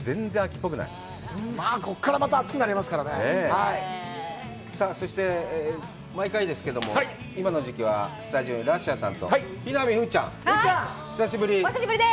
全然秋っぽくないこっからまた暑くなりますからねさぁそして毎回ですけども今の時期はスタジオにラッシャーさんと妃海風ちゃん久しぶりお久しぶりです！